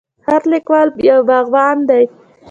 هر لیکوال یو باغوان دی.